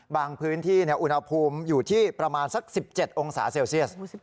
พื้นที่อุณหภูมิอยู่ที่ประมาณสัก๑๗องศาเซลเซียส